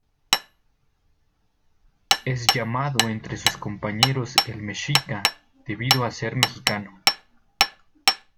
Es llamado entre sus compañeros el Mexica, debido a ser mexicano.